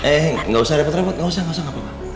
eh gak usah repot repot gak usah gak usah gak apa apa